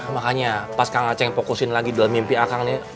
makanya pas kang aceh fokusin lagi dalam mimpi akangnya